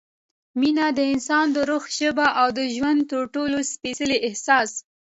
مینه – د انسان د روح ژبه او د ژوند تر ټولو سپېڅلی احساس